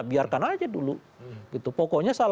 biarkan saja dulu pokoknya